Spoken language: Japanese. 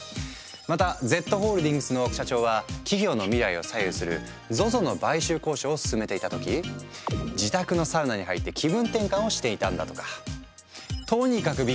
またＺホールディングスの社長は企業の未来を左右するＺＯＺＯの買収交渉を進めていた時自宅のサウナに入って気分転換をしていたんだとか。